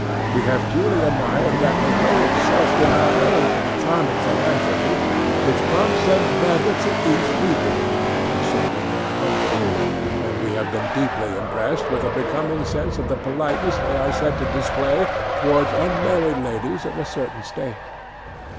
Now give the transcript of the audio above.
We have duly admired that heroic self denial and charming philanthropy which prompts them never to eat people except when they are hungry, and we have been deeply impressed with a becoming sense of the politeness they are said to display towards unmarried ladies of a certain state.